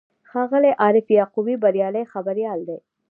ښاغلی عارف یعقوبي بریالی خبریال دی.